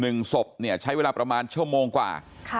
นึงศพใช้เวลาประมาณชั่วโมงกว่า